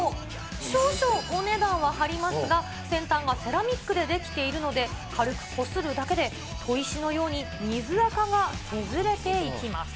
少々お値段は張りますが、先端がセラミックで出来ているので、軽くこするだけで砥石のように水あかが削れていきます。